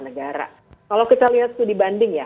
negara kalau kita lihat itu dibanding ya